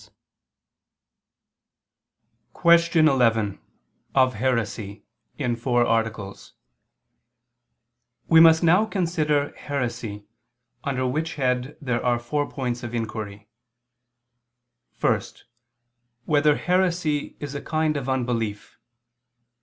_______________________ QUESTION 11 OF HERESY (In Four Articles) We must now consider heresy: under which head there are four points of inquiry: (1) Whether heresy is a kind of unbelief?